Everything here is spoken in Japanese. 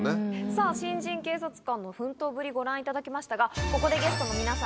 さぁ新人警察官の奮闘ぶりご覧いただきましたがここで。